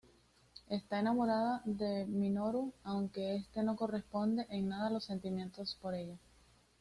Está enamorada de Minoru, aunque este no corresponde en nada los sentimientos por ella.